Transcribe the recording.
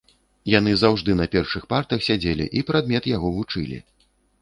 Яны заўжды на першых партах сядзелі і прадмет яго вучылі.